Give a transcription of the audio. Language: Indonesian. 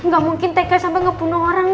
gak mungkin teka sampai ngepunuh orang